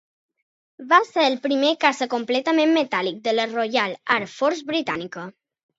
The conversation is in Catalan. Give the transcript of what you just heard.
Va ser el primer caça completament metàl·lic de la Royal Air Force britànica.